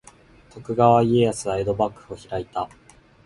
徳川家康は江戸幕府を開いた。